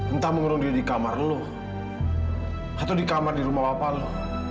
entah mengurung diri di kamar lu atau di kamar di rumah bapak lu